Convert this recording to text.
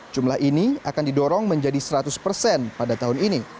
jumlah ini akan didorong menjadi seratus persen pada tahun ini